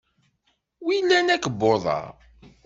W ilan akebbuḍ-a?